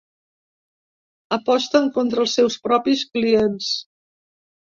Aposten contra els seus propis clients.